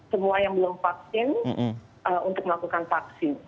semua yang belum vaksin untuk melakukan vaksin